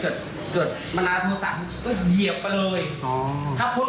มันก็เหมามันก็เลยมีปัญหาเฉียว